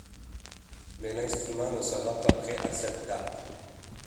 Mais l'instrument ne sera pas prêt à cette date.